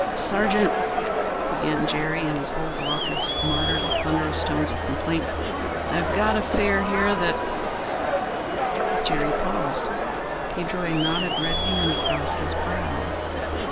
"Sargeant," began Jerry in his old raucous, martyred, thunderous tones of complaint. "I've got a fare here that—" Jerry paused. He drew a knotted, red hand across his brow.